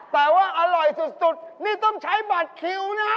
แต่ว่าอร่อยสุดนี่ต้องใช้บัตรคิวนะฮะ